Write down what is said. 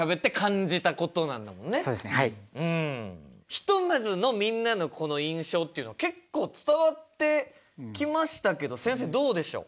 ひとまずのみんなのこの印象っていうの結構伝わってきましたけど先生どうでしょう？